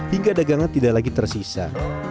hingga dagangan tidak lagi tersisa